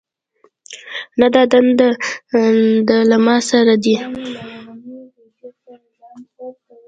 نه دا نده دا له ما سره دی